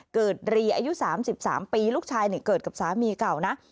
เกิดรีอายุ๓๓ปีลูกชายเกิดกับสามีเก่านะ